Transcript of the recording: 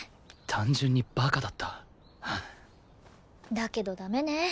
単純にバカだっただけどダメね。